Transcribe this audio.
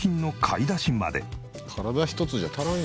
体一つじゃ足らんやん。